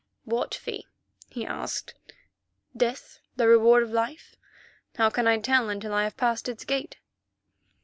"What fee?" he asked. "Death, the reward of Life? How can I tell until I have passed its gate?"